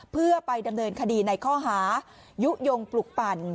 เพื่อไปดำเนินคดีในข้อหายุโยงปลุกปั่น